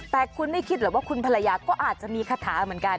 แต่คุณไม่คิดหรอกว่าคุณภรรยาก็อาจจะมีคาถาเหมือนกัน